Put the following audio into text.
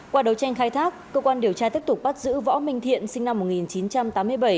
qua đấu tranh khai thác cơ quan điều tra tiếp tục bắt giữ võ minh thiện sinh năm một nghìn chín trăm tám mươi bảy